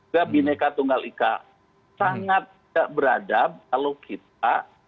gabhinneka tunggal ika sangat tidak beradab kalau kita